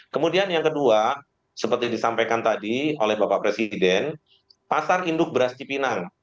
kemudian yang kedua seperti disampaikan tadi oleh bapak presiden pasar induk beras cipinang